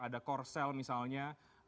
ada korsel misalnya